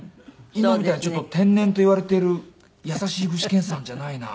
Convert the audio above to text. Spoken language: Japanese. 今みたいにちょっと天然といわれている優しい具志堅さんじゃないな。